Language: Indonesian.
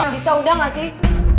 bisa udah gak sih